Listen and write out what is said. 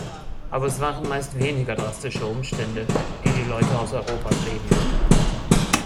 Aber es waren meist weniger drastische Umstände, die die Leute aus Europa trieben.